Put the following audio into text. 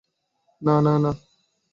না, না, না!